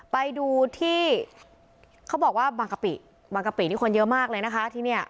ไปดูที่เขาบอกว่าบางกะปิบางกะปินี่คนเยอะมากเลยนะคะที่เนี่ย